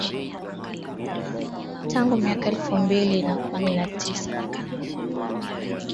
tangu mwaka elfu mbili na kumi na tisa